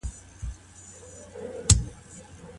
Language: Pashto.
د طلاق وروسته خاوند او ميرمن څه احساس کوي؟